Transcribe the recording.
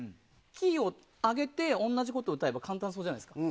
キーを上げて同じことを歌えば簡単そうじゃないですか。